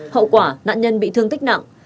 hậu quả nạn nhân bị thương tích nặng